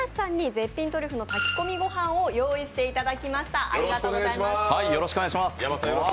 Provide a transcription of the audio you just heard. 絶品トリュフの炊き込みご飯を用意していただきました。